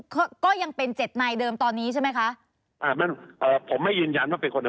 ก็ก็ยังเป็นเจ็ดนายเดิมตอนนี้ใช่ไหมคะอ่าไม่เอ่อผมไม่ยืนยันว่าเป็นคนอ่ะ